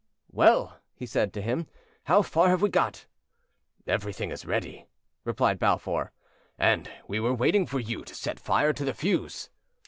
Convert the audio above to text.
"Well," he said to him, "how far have we got? "Everything is ready," replied Balfour, "and we were waiting for you to set fire to the fuse".